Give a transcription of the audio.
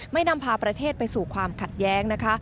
นำพาประเทศไปสู่ความขัดแย้งนะคะ